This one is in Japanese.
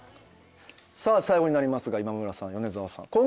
さあ最後になりますが今村さん米澤さん